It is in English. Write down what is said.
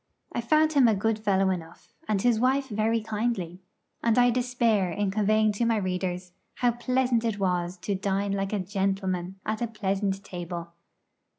I found him a good fellow enough, and his wife very kindly; and I despair in conveying to my readers how pleasant it was to dine like a gentleman at a pleasant table.